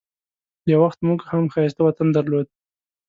یو وخت موږ هم ښایسته وطن درلود.